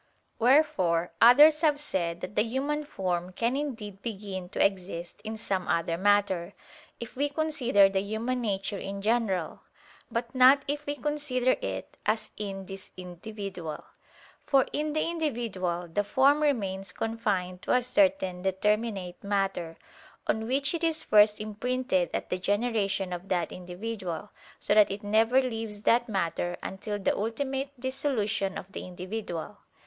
Wherefore others have said that the human form can indeed begin to exist in some other matter, if we consider the human nature in general: but not if we consider it as in this individual. For in the individual the form remains confined to a certain determinate matter, on which it is first imprinted at the generation of that individual, so that it never leaves that matter until the ultimate dissolution of the individual.